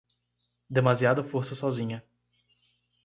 Demasiada força sozinha.